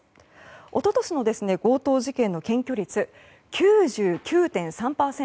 一昨年の強盗事件の検挙率９９．３％。